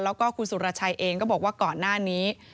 แล้วก็คุณสุรชัยเองก็บอกว่าก่อนหน้านี้